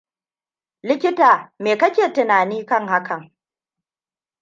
Likita me ka ke tunani kan hakan?